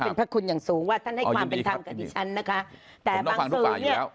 เป็นพระคุณอย่างสูงว่าท่านให้ความเป็นธรรมกับดิฉันนะคะแต่บางส่วนเนี่ย